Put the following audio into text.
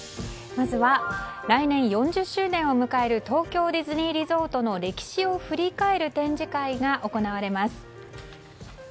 まずは、来年４０周年を迎える東京ディズニーリゾートの歴史を振り返る展示会が行われます。